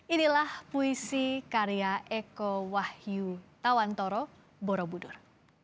inilah puisi karya eko wahyu tawantoro borobudur